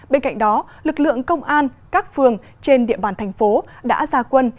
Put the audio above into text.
bên cạnh đó lực lượng công an các phường trên địa bàn thành phố đã ra quân